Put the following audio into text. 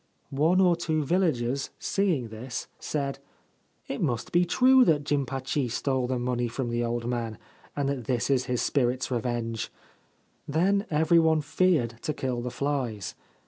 One or two villagers, seeing this, said :' It must be true that Jimpachi stole the money from the old man, and that this is his spirit's revenge.' Then every one feared to kill the flies.